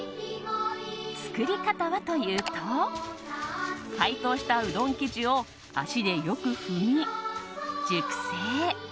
作り方はというと解凍したうどん生地を足でよく踏み熟成。